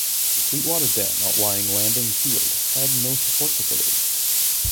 The Sweetwater Dam Outlying Landing Field had no support facilities.